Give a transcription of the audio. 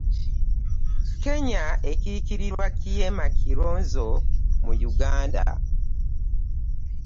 Kenya ekiikirirwa Kiema Kilonzo mu Uganda